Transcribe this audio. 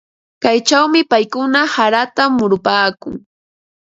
Kaychawmi paykuna harata murupaakun.